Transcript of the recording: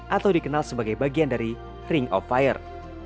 atau dikenal sebagai bagian dari ring of fire